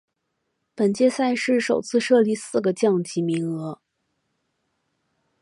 本届赛事首次设立四个降级名额。